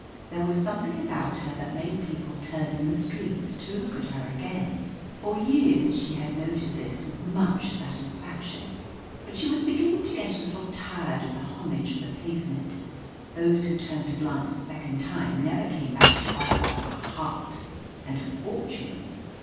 There was something about her that made people turn in the streets to look at her again. For years she had noted this with much satisfaction. But she was beginning to get a little tired of the homage of the pavement. Those who turned to glance a second time never came back to offer her a heart and a fortune.